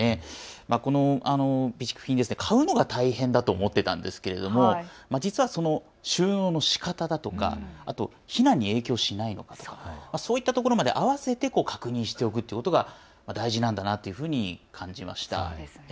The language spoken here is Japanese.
この備蓄品ですが買うのが大変だと思っていましたが実はその収納のしかただとか避難に影響しないかだとかそういったところまであわせて確認しておくということが大事なんだなというふうに感じました。